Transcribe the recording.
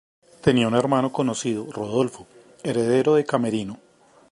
Tenía un hermano conocido, Rodolfo, heredero de Camerino.